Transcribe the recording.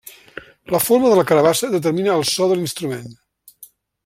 La forma de la carabassa determina el so de l'instrument.